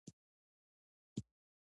او ملي وېښتیا ته لاره پرا نستل شوه